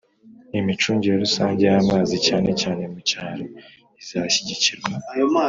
imicungire rusange y'amazi cyane cyane mu cyaro izashyigikirwa.